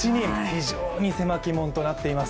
非常に狭き門となっています。